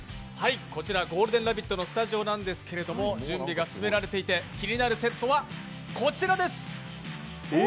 こちら「ゴールデンラヴィット！」のスタジオなんですが、準備が進められていて、気になるセットはこちらです。